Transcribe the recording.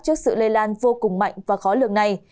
trước sự lây lan vô cùng mạnh và khó lường này